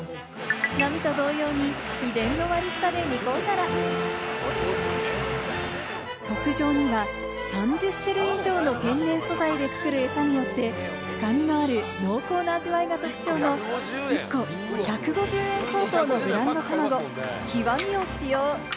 並と同様に秘伝の割り下で煮込んだら、特上には、３０種類以上の天然素材で作るエサによって深みのある濃厚な味わいが特徴の１個１５０円相当のブランド卵・極を使用。